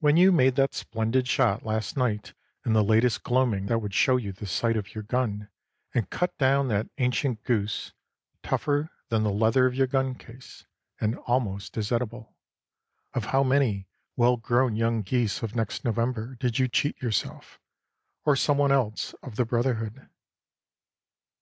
When you made that splendid shot last night in the latest gloaming that would show you the sight of your gun, and cut down that ancient goose, tougher than the leather of your gun case, and almost as edible, of how many well grown young geese of next November did you cheat yourself, or some one else of the brotherhood?